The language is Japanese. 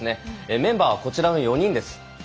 メンバーはこちらの４人です。